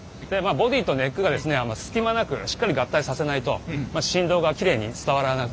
ボディーとネックがですね隙間なくしっかり合体させないと振動がきれいに伝わらなくてですね。